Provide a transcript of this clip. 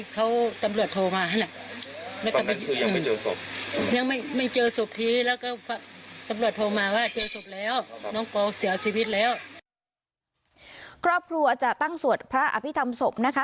ครอบครัวจะตั้งสวดพระอภิษฐรรมศพนะคะ